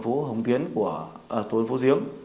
phường hồng tiến của tổ hợp phố diếng